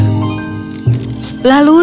lalu semua pelanggan dan para penyelenggara